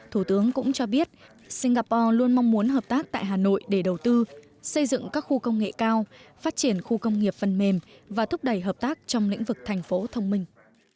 thủ tướng cũng cho biết singapore luôn mong muốn hợp tác tại hà nội để đầu tư xây dựng các khu công nghệ cao phát triển khu công nghiệp phần mềm và thúc đẩy hợp tác trong lĩnh vực thành phố thông minh